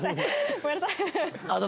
ごめんなさい。